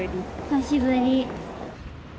久しぶり。